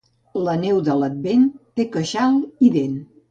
La neu de l'Advent té queixal i dent.